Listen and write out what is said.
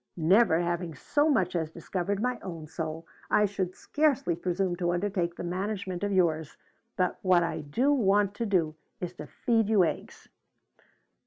Never having so much as discovered my own soul, I should scarcely presume to undertake the management of yours, but what I do want to do is to feed you eggs!